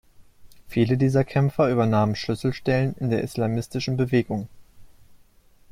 Viele dieser Kämpfer übernahmen Schlüsselstellen in der islamistischen Bewegung.